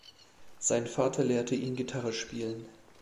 Sein Vater lehrte ihn Gitarre spielen.